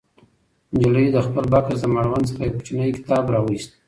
نجلۍ د خپل بکس له مړوند څخه یو کوچنی کتاب راوویست.